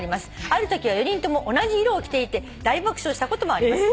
「あるときは４人とも同じ色を着ていて大爆笑したこともあります」